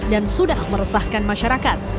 dan sudah meresahkan masyarakat